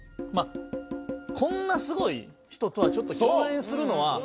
こんなすごい人とはちょっと共演するのは。